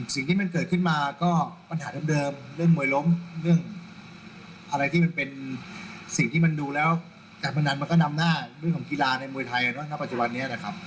สิ่งที่มันเกิดขึ้นมาก็ปัญหาเดิมเรื่องมวยล้มเรื่องอะไรที่มันเป็นสิ่งที่มันดูแล้วการพนันมันก็นำหน้าเรื่องของกีฬาในมวยไทยเนอะณปัจจุบันนี้นะครับ